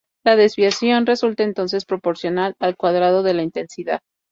La desviación resulta entonces proporcional al cuadrado de la intensidad.